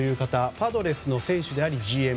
パドレスの選手でありＧＭ